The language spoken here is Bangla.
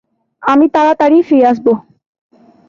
আমি তারাতারিই ফিরে আসবো।